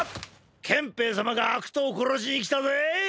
憲兵様が悪党を殺しに来たぜ！！